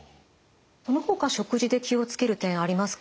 そのほか食事で気を付ける点ありますか？